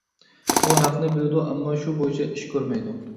ئۇ ھەقنى بىلىدۇ، ئەمما شۇ بويىچە ئىش كۆرمەيدۇ.